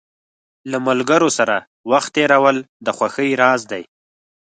له ملګرو سره وخت تېرول د خوښۍ راز دی.